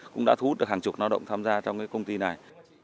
cũng đã thu hút được hàng chục lao động tham gia trong công ty này